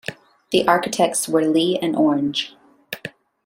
The architects were Leigh and Orange.